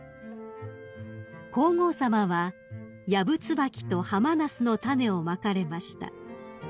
［皇后さまはヤブツバキとハマナスの種をまかれました］